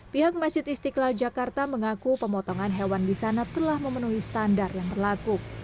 pihak masjid istiqlal jakarta mengaku pemotongan hewan di sana telah memenuhi standar yang berlaku